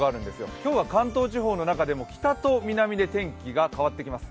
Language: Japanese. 今日は関東地方の中でも北と南で天気が変わってきます。